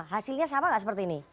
hasilnya sama nggak seperti ini